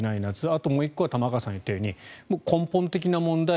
あと、もう１個は玉川さんが言ったように根本的な問題